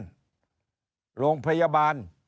แม้โรงพยาบาล